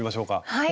はい！